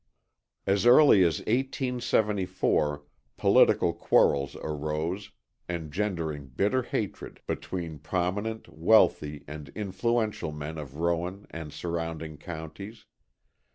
As early as 1874 political quarrels arose, engendering bitter hatred, between prominent, wealthy and influential men of Rowan and surrounding counties.